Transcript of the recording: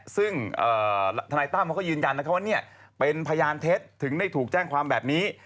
ซึ่งทนายตั้มเขาก็ยืนยันนะครับว่าเป็นพยานเท็จถึงได้ถูกแจ้งความแบบนี้